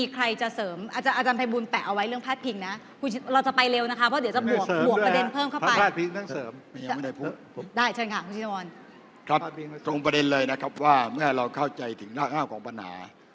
ตรงประเด็นเลยนะครับว่าเมื่อเราเข้าใจถึงหน้าห้าวของปัญหา